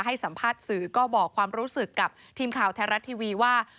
ให้สัมภาษณ์สื่อก็บอกความรู้สึกกับทีมข่าวไทยรัฐทีวีว่า